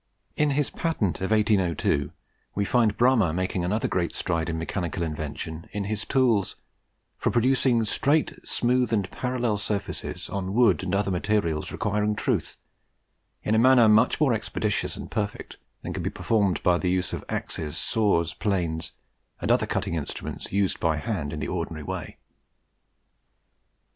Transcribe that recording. In his patent of 1802, we find Bramah making another great stride in mechanical invention, in his tools "for producing straight, smooth, and parallel surfaces on wood and other materials requiring truth, in a manner much more expeditious and perfect than can be performed by the use of axes, saws, planes, and other cutting instruments used by hand in the ordinary way."